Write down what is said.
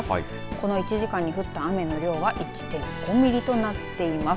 この１時間に降った雨の量は１．５ミリとなっています。